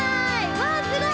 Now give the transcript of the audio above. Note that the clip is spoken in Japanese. わあすごい！